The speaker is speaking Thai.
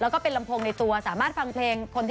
แล้วก็เป็นลำโพงในตัวสามารถฟังเพลงคนที่